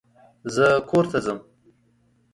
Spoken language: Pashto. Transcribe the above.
زه کورته ځم.